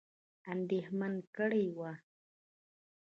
اندېښمن کړي وه.